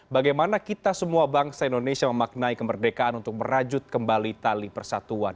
bagaimana kita semua bangsa indonesia memaknai kemerdekaan untuk merajut kembali tali persatuan